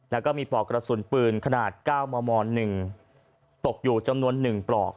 แล้วก็มีปลอกกระสุนปืนขนาด๙มม๑ตกอยู่จำนวน๑ปลอก